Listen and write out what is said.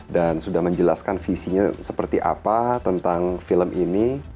dan sudah menjelaskan visinya seperti apa tentang film ini